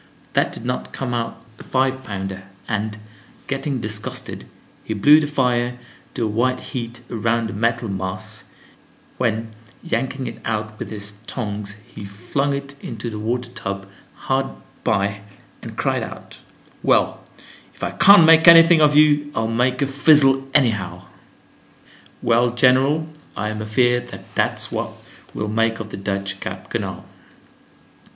That did not come out to a five pounder; and, getting disgusted, he blew up the fire to a white heat around the metal mass, when, yanking it out with his tongs, he flung it into the water tub hard by, and cried out: "'Well, if I can't make anything of you, I'll make a fizzle anyhow!' "Well, general, I am afeared that that's what we'll make of the Dutch Gap Canal."